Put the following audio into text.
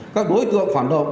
các đối tượng phản động